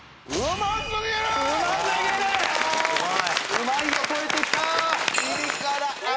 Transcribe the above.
うまいを超えてきた！